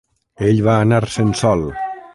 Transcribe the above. Ell va anar-se'n sol.